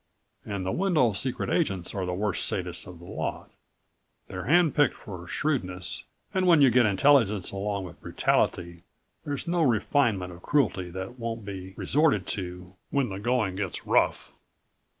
And the Wendel secret agents are the worst sadists of the lot. They're hand picked for shrewdness and when you get intelligence along with brutality there's no refinement of cruelty that won't be resorted to when the going gets rough."